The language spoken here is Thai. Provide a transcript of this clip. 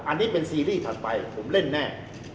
อันนี้เป็นซีรีส์ถัดไปผมเล่นแน่